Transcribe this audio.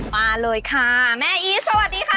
มาเลยค่ะแม่อีทสวัสดีค่ะ